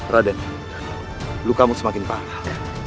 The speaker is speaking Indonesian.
raden lukamu semakin parah